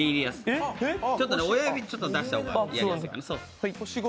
親指、出した方がやりやすい。